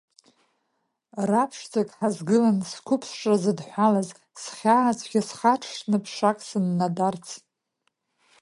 Ра ԥшӡак ҳазгылан, сқәыԥшра зыдҳәалаз, схьаа цәгьа схаршҭны, ԥшак сыннадарц.